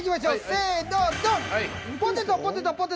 せのドン！